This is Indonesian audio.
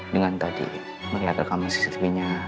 dengan tadi melihat rekaman cctv nya